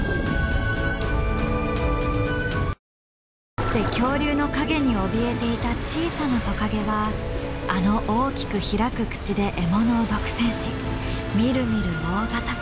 かつて恐竜の影におびえていた小さなトカゲはあの大きく開く口で獲物を独占しみるみる大型化。